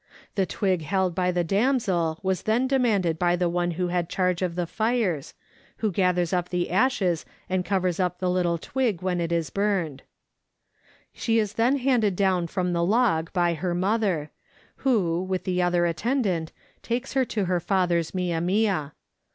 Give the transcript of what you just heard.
The twig held by the damsel was then demanded by the one who had charge of the fires, who gathers up the ashes and covers up the little twig when it is Letters from Victorian Pioneers. 99 burued. " She is then handed down from the log by her mother, who, with the other attendant, takes her to her father's inia mia.